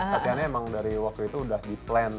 kasiannya emang dari waktu itu udah di plan